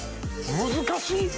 難しい。